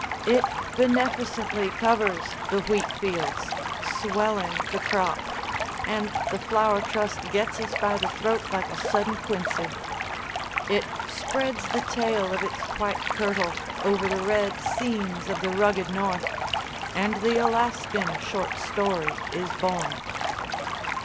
It beneficently covers the wheat fields, swelling the crop—and the Flour Trust gets us by the throat like a sudden quinsy. It spreads the tail of its white kirtle over the red seams of the rugged north—and the Alaskan short story is born.